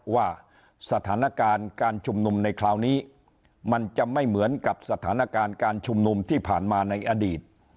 ว่าสถานการณ์การชุมนุมในคราวนี้มันจะไม่เหมือนกับสถานการณ์การชุมนุมที่ผ่านมาในอดีต